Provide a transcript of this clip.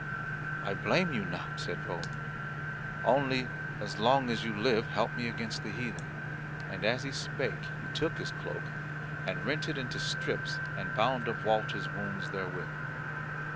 "I blame you not," said Roland, "only as long as you live help me against the heathen." And as he spake he took his cloak and rent it into strips and bound up Walter's wounds therewith.